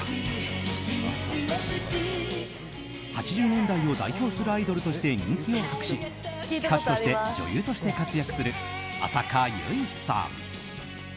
８０年代を代表するアイドルとして人気を博し歌手として、女優として活躍する浅香唯さん。